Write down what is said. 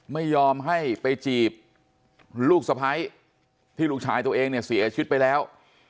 ไม่ยอมให้ไปจีบลูกสะพ้ายที่ลูกชายตัวเองเนี่ยเสียชีวิตไปแล้ว